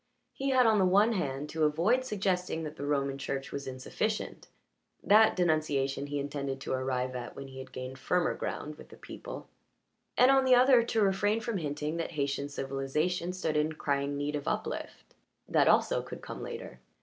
He had on the one hand to avoid suggesting that the Roman Church was insufficient that denunciation he intended to arrive at when he had gained firmer ground with the people and on the other to refrain from hinting that Haytian civilization stood in crying need of uplift. That also could come later.